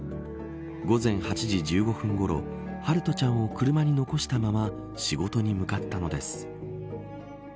午前８時１５分ごろ陽翔ちゃんを車に残したまま仕事に向かったのです。